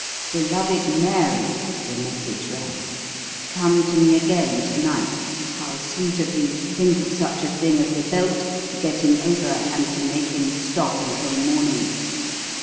"Beloved Mary," the message ran, "come to me again to night. How sweet of you to think of such a thing as the belt to get him over and to make him stop until morning!